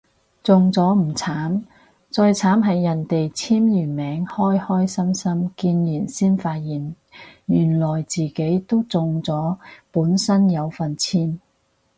中咗唔慘，最慘係人哋簽完名開開心心見完先發覺原來自己都中咗本身有份簽